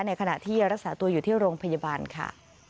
ในขณะที่รักษาตัวอยู่ที่โรงพยาบาลค่ะ